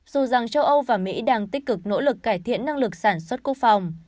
dù rằng châu âu và mỹ đang tích cực nỗ lực cải thiện năng lực sản xuất quốc phòng